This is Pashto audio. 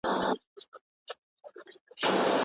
که انلاین زده کړه شتون ولري، زده کړه نه درېږي.